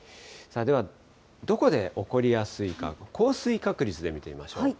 では、どこで起こりやすいか、降水確率で見てみましょう。